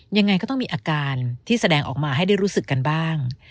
ยังไงก็ต้องมีอาการที่แสดงออกมาให้ได้รู้สึกกันบ้าง